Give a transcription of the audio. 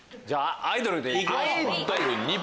じゃあアイドルで行こう。